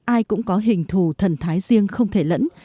ai cũng có hình thù thần thái riêng không thể lẫn